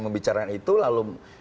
membicara itu lalu